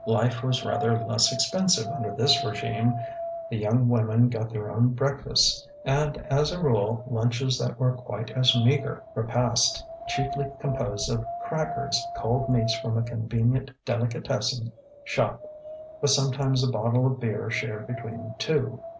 Life was rather less expensive under this régime; the young women got their own breakfasts and, as a rule, lunches that were quite as meagre: repasts chiefly composed of crackers, cold meats from a convenient delicatessen shop, with sometimes a bottle of beer shared between two.